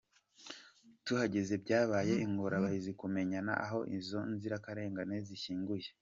Tuhageze byabaye ingorabahizi kumenya aho izo nzirakarengane zishyinguye.